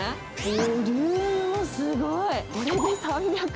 ボリュームもすごい。